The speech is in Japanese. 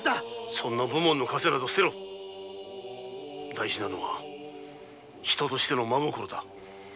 そんな武門のカセなど捨てろ大事なのは人としての真心だ。